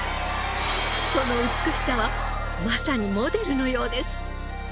その美しさはまさにモデルのようです。